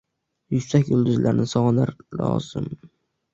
Yuksak yulduzlarni sog‘inar loshim